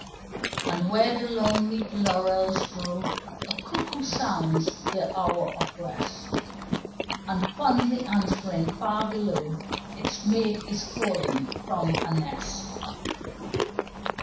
And where the long leaf laurels grow A cuckoo sounds the hour of rest, And fondly answering far below Its mate is calling from her nest.